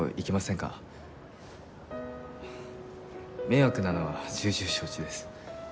迷惑なのは重々承知です。